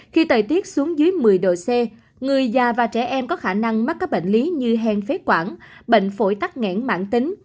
khi thời tiết xuống dưới một mươi độ c người già và trẻ em có khả năng mắc các bệnh lý như hèn phế quản bệnh phổi tắc nghẽn mạng tính